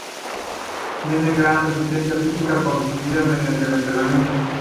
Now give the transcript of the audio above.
Tiene gran resistencia física, conseguida mediante entrenamiento.